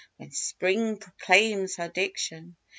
When Spring proclaims her diction.